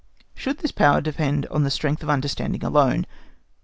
Should this power depend on strength of understanding alone?